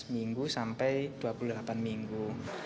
empat minggu sampai dua puluh delapan minggu